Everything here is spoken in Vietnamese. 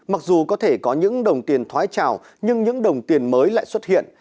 mặc dù có thể có những đồng tiền thoái trào nhưng những đồng tiền mới lại xuất hiện